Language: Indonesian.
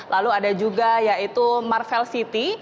lalu ada juga yaitu marvel city